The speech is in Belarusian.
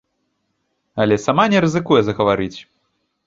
Але сама не рызыкуе загаварыць.